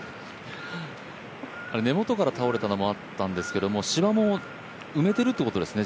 根元から倒れたのもあったんですけど芝も埋めてるということですね？